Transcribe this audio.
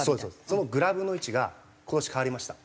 そのグラブの位置が今年変わりました。